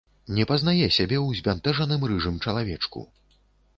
Не пазнае сябе ў збянтэжаным рыжым чалавечку.